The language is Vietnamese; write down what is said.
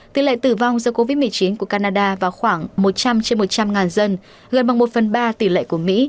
tỷ lệ tử vong do covid một mươi chín của canada vào khoảng một trăm linh trên một trăm linh dân gần bằng một phần ba tỷ lệ của mỹ